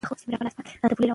د روغتیا خیال وساته.